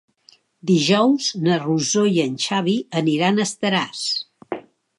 Dijous na Rosó i en Xavi aniran a Estaràs.